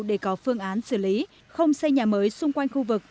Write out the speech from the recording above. để có phương án xử lý không xây nhà mới xung quanh khu vực